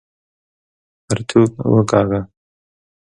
پرتوګ وکاږه!